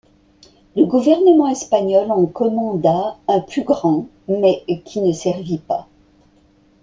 Le Gouvernement espagnol en commanda un plus grand mais qui ne servit pas.